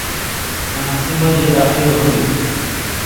آں اسی مژے داخل ہُون٘دوۡ۔